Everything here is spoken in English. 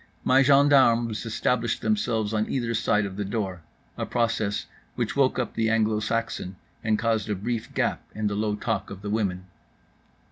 My gendarmes established themselves on either side of the door, a process which woke up the Anglo Saxon and caused a brief gap in the low talk of the women.